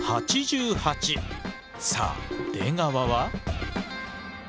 さあ出川は？